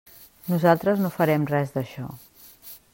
Nosaltres no farem res d'això.